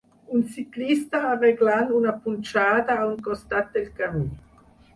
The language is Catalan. Un ciclista arreglant una punxada a un costat del camí.